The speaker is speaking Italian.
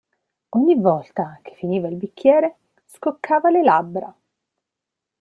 Ogni volta che finiva il bicchiere scoccava le labbra.